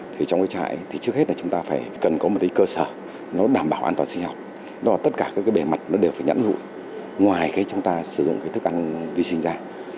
trước hết chúng ta cần có một cơ sở đảm bảo an toàn sinh học tất cả bề mặt đều phải nhẫn ngụy ngoài chúng ta sử dụng thức ăn vi sinh ra